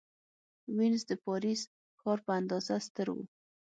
وینز د پاریس ښار په اندازه ستر و.